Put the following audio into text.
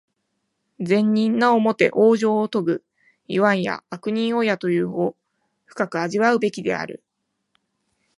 善人なおもて往生をとぐ、いわんや悪人をやという語、深く味わうべきである。